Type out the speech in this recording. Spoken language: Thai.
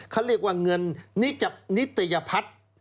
เขาเรียกว่าเงินนิตยพัฒน์